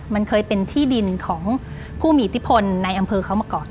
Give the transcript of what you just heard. มันเคยเป็นที่ดินของผู้มีอิทธิพลในอำเภอเขามาก่อน